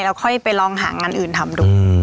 ค่อยไปลองหางานอื่นทำดู